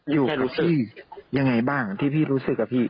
อยู่กับพี่ยังไงบ้างที่พี่รู้สึกอะพี่